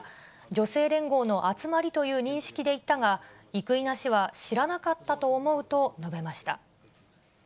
女性連合の集まりという認識で行ったが、生稲氏は知らなかったと思うと述べました。